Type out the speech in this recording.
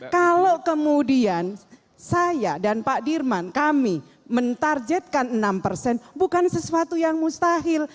kalau kemudian saya dan pak dirman kami mentarjetkan enam persen bukan sesuatu yang mustahil